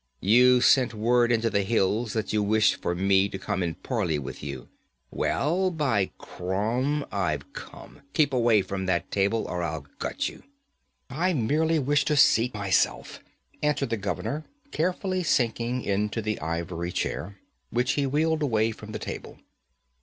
You sent word into the hills that you wished for me to come and parley with you. Well, by Crom, I've come! Keep away from that table or I'll gut you.' 'I merely wish to seat myself,' answered the governor, carefully sinking into the ivory chair, which he wheeled away from the table.